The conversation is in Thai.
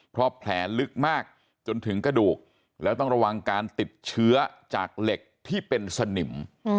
เพราะแผลลึกมากจนถึงกระดูกแล้วต้องระวังการติดเชื้อจากเหล็กที่เป็นสนิม